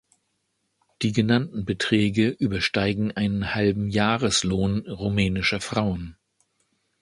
Die genannten Beträge übersteigen einen halben Jahreslohn rumänischer Frauen.